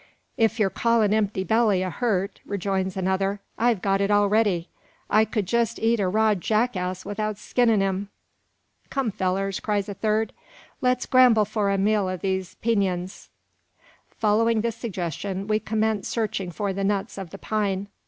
"If yer call an empty belly a hurt," rejoins another, "I've got it already. I kud jest eat a raw jackass 'ithout skinnin' him." "Come, fellers!" cries a third, "let's gramble for a meal o' these peenyuns." Following this suggestion, we commence searching for the nuts of the pine.